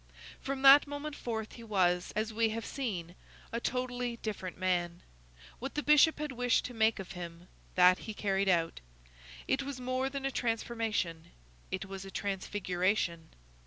From that moment forth he was, as we have seen, a totally different man. What the Bishop had wished to make of him, that he carried out. It was more than a transformation; it was a transfiguration.